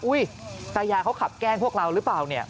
ตายาเขาขับแกล้งพวกเราหรือเปล่าเนี่ย